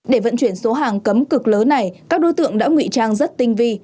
để vận chuyển số hàng cấm cực lớn này các đối tượng đã ngụy trang rất tinh vi